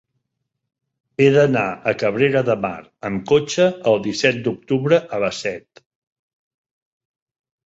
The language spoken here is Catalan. He d'anar a Cabrera de Mar amb cotxe el disset d'octubre a les set.